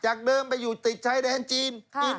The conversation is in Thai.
จากเดิมไปอยู่ติดใช้แดนจีน